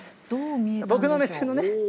僕の目線のね。